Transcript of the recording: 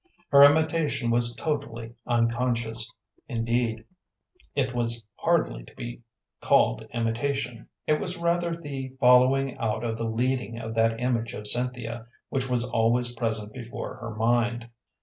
Her imitation was totally unconscious; indeed, it was hardly to be called imitation; it was rather the following out of the leading of that image of Cynthia which was always present before her mind.